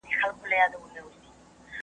مځکي ته وګوره!؟